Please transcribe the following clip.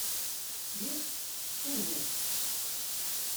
Ih, uhu.